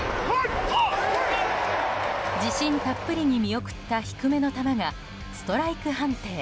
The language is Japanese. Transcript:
自信たっぷりに見送った低めの球がストライク判定。